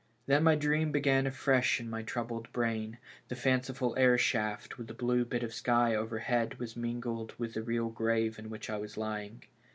Then my dream began afresh in my troubled brain. The fanciful air shaft, with the blue bit of sky overhead, was mingled with the real grave in which I was lying.